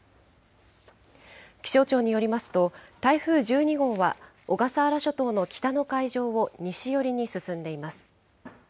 気象庁によりますと、台風１２号は、小笠原諸島の北の海上を西寄りに進んでいます。